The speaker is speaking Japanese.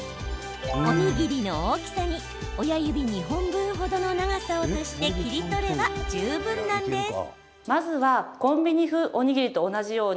おにぎりの大きさに親指２本分程の長さを足して切り取れば十分なんです。